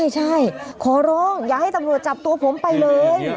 ใช่ขอร้องอย่าให้ตำรวจจับตัวผมไปเลย